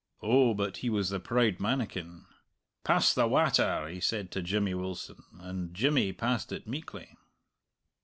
Oh, but he was the proud mannikin. "Pass the watter!" he said to Jimmy Wilson, and Jimmy passed it meekly.